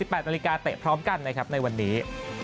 ๘นาฬิกาเตะพร้อมกันนะครับในวันนี้